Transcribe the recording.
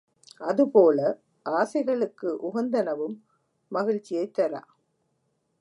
அதுபோல, ஆசைகளுக்கு உகந்தனவும் மகிழ்ச்சியைத் தரா.